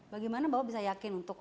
bagaimana bapak bisa yakin untuk